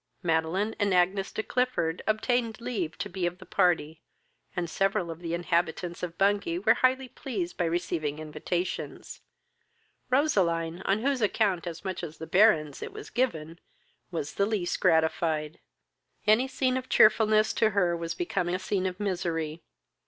Madeline and Agnes de Clifford obtained leave to be of the party, and several of the inhabitants of Bungay were highly pleased by receiving invitations. Roseline, on whose account, as much as the Baron's, it was given, was the least gratified. Any scene of cheerfulness to her was become a scene of misery.